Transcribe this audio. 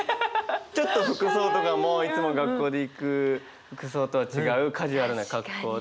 ちょっと服装とかもいつも学校で行く服装とは違うカジュアルな格好で。